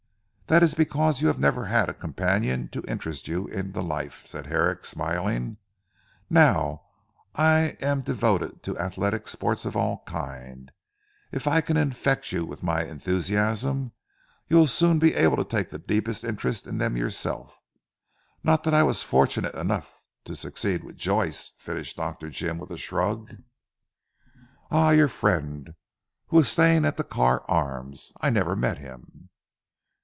"That is because you have never had a companion to interest you in the life," said Herrick smiling. "Now, I am devoted to athletic sports of all kinds. If I can infect you with my enthusiasm you will soon be able to take the deepest interest in them yourself. Not that I was fortunate enough to succeed with Joyce," finished Dr. Jim with a shrug. "Ah, your friend who was staying at the Carr Arms? I never met him."